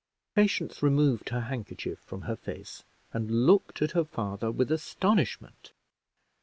Patience removed her handkerchief from her face, and looked at her father with astonishment.